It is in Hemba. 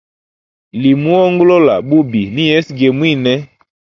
Limuongolola bubi ni yesu ge mwine.